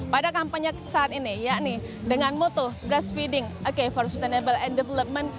pada kampanye saat ini yakni dengan motto breastfeeding for sustainable and development